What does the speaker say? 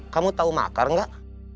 kamu tau makar gak